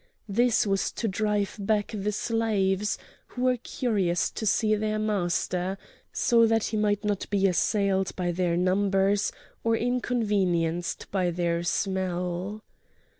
This was to drive back the slaves, who were curious to see their master, so that he might not be assailed by their numbers or inconvenienced by their smell.